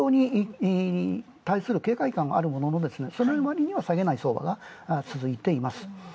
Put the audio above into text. ただ急騰に対する警戒感があるものの、そのへんのわりには下げない相場が続いています。